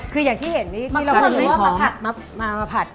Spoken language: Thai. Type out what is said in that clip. คืออย่างที่เห็นที่เราบ่นด้วยมาผัด